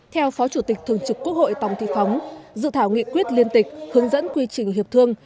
theo phó chủ tịch thường trực quốc hội tòng thị phóng dự thảo nghị quyết liên tịch hướng dẫn quy trình hiệp thương